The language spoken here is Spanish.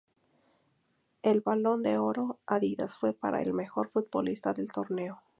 El Balón de Oro Adidas fue para el mejor futbolista del torneo.